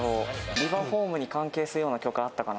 ビバホームに関係するような曲あったかな？